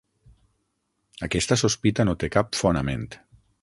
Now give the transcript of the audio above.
Aquesta sospita no té cap fonament.